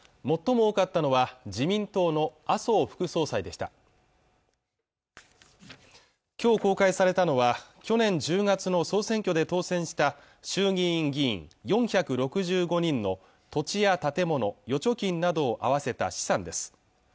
最も多かったのは自民党の麻生副総裁でした今日公開されたのは去年１０月の総選挙で当選した衆議院議員４６５人の土地や建物預貯金などを合わせた資産です